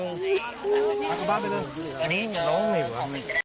ไปก่อบ้านไปเลยอันนี้จะร้องไหมวะ